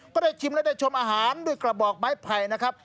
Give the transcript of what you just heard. ก็ได้ชิมและได้ชมอาหารด้วยกระบอกไม้ไผ่นะครับ